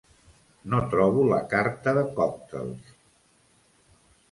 No trobo la carta de còctels.